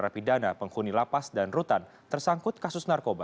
bagaimana cara menjaga keamanan dan keamanan di jawa timur